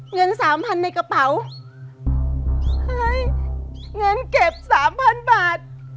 เงินสามพันในกระเป๋าเฮ้ยเงินเก็บสามพันบาท